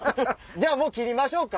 じゃあもう切りましょうか？